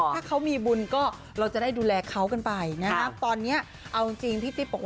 ถ้าเขามีบุญก็เราจะได้ดูแลเขากันไปนะครับตอนนี้เอาจริงพี่ติ๊บบอกว่า